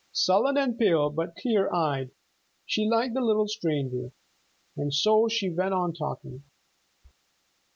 Sullen and pale, but clear eyed she liked the little stranger. And so she went on talking.